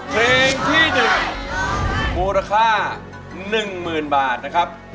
เพลงที่๑มูลค่า๑๐๐๐บาทนะครับ